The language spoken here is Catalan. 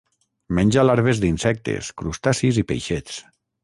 Menja larves d'insectes, crustacis i peixets.